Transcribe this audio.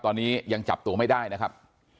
ตอนนี้ยังจับตัวไม่ได้นะครับ